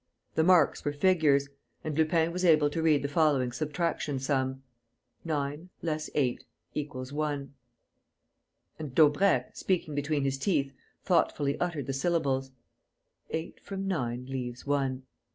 The marks were figures; and Lupin was able to read the following subtraction sum: "9 − 8 = 1" And Daubrecq, speaking between his teeth, thoughtfully uttered the syllables: "Eight from nine leaves one....